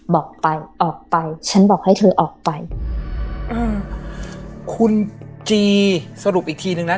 บอกไปออกไปฉันบอกให้เธอออกไปอ่าคุณจีสรุปอีกทีนึงนะ